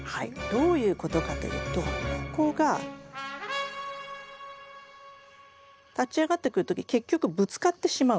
どういうことかというとここが立ち上がってくる時結局ぶつかってしまうんです。